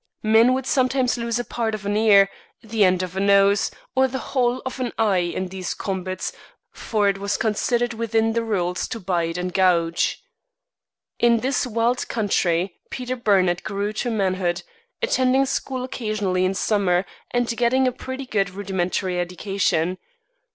Men would sometimes lose a part of an ear, the end of a nose, or the whole of an eye in these combats, for it was considered within the rules to bite and gouge. In this wild country Peter Burnett grew to manhood, attending school occasionally in summer, and getting a pretty good rudimentary education.